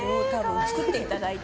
作っていただいて。